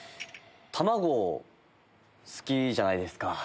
卵好きじゃないですか。